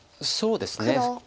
そうですね。